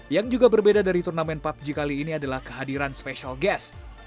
yang juga berbeda dari turnamen pubg kali ini adalah kehadiran special gas